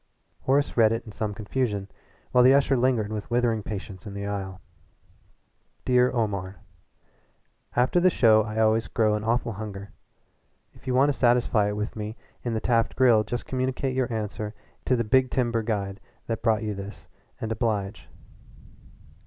Horace read it in some confusion, while the usher lingered with withering patience in the aisle. "Dear Omar: After the show I always grow an awful hunger. If you want to satisfy it for me in the Taft Grill just communicate your answer to the big timber guide that brought this and oblige.